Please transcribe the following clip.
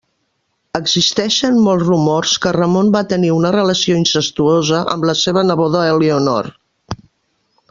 Existeixen molts rumors que Ramon va tenir una relació incestuosa amb la seva neboda Elionor.